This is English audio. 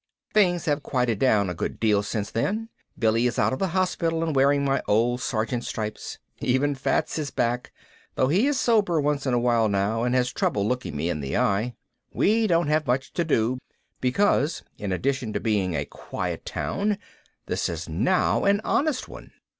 Things have quieted down a good deal since then. Billy is out of the hospital and wearing my old sergeant's stripes. Even Fats is back, though he is sober once in a while now and has trouble looking me in the eye. We don't have much to do because in addition to being a quiet town this is now an honest one.